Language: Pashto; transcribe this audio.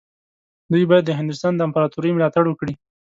دوی باید د هندوستان د امپراطورۍ ملاتړ وکړي.